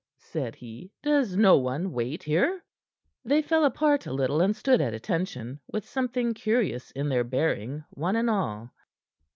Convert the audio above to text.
said he. "Does no one wait here?" They fell apart a little, and stood at attention, with something curious in their bearing, one and all.